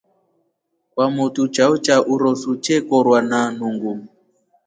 Kwamotu chao cha uruso chekorwa na nungu.